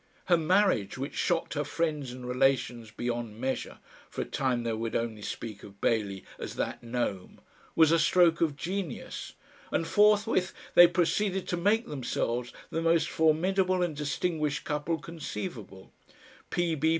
Her marriage, which shocked her friends and relations beyond measure for a time they would only speak of Bailey as "that gnome" was a stroke of genius, and forthwith they proceeded to make themselves the most formidable and distinguished couple conceivable.